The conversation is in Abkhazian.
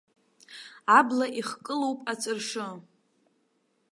Абла ихкылоуп аҵәыршы.